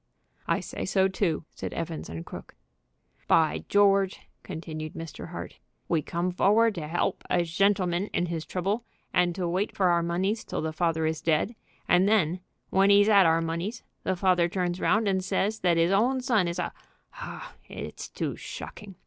"I say so too," said Evans & Crooke. "By George!" continued Mr. Hart, "we come forward to 'elp a shentleman in his trouble and to wait for our moneys till the father is dead, and then when 'e's 'ad our moneys the father turns round and says that 'is own son is a Oh, it's too shocking!